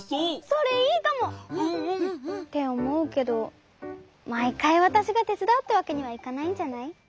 それいいかも。っておもうけどまいかいわたしがてつだうってわけにはいかないんじゃない？